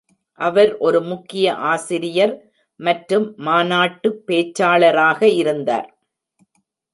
அவர் ஒரு முக்கிய ஆசிரியர் மற்றும் மாநாட்டு பேச்சாளராக இருந்தார்.